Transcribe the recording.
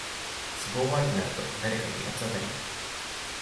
都合悪くなると誰かに八つ当たり